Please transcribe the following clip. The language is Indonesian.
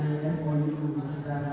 pakaiannya sopan gak